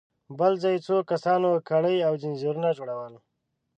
بل ځای څو کسانو کړۍ او ځنځيرونه جوړل.